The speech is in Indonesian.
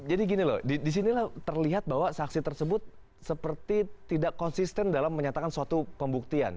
jadi gini loh di sini terlihat bahwa saksi tersebut seperti tidak konsisten dalam menyatakan suatu pembuktian